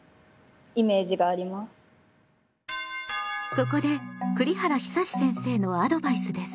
ここで栗原久先生のアドバイスです。